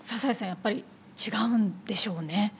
やっぱり違うんでしょうね。